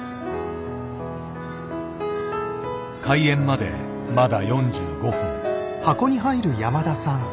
開演までまだ４５分。